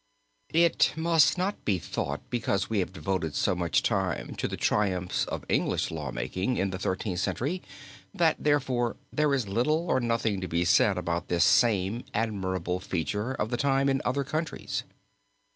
It must not be thought because we have devoted so much time to the triumphs of English law making in the Thirteenth Century that, therefore, there is little or nothing to be said about this same admirable feature of the time in other countries.